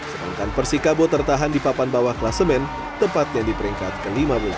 sedangkan persikabo tertahan di papan bawah klasemen tepatnya di peringkat ke lima belas